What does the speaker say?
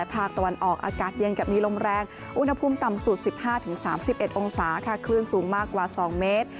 พลูฟีธรรมภาคต่ำสุดสิบห้าถึงสามสิบเอ็ดองเศษิฯค่ะคลื่นสูงมากกว่าสองเมตร